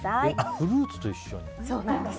フルーツと一緒に。